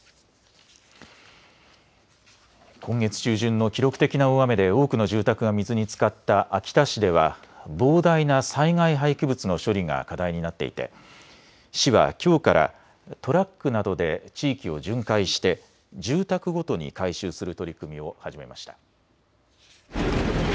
今月中旬の記録的な大雨で多くの住宅が水につかった秋田市では膨大な災害廃棄物の処理が課題になっていて市はきょうからトラックなどで地域を巡回して住宅ごとに回収する取り組みを始めました。